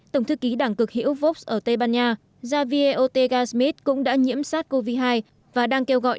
tổng thư ký đảng cực hiệu vox ở tây ban nha xavier ortega smith cũng đã nhiễm sars cov hai và đang kêu gọi